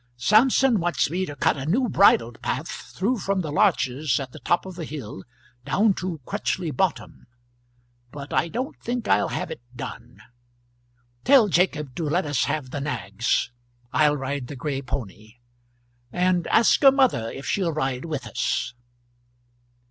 "Samson wants me to cut a new bridle path through from the larches at the top of the hill down to Crutchley Bottom; but I don't think I'll have it done. Tell Jacob to let us have the nags; I'll ride the gray pony. And ask your mother if she'll ride with us."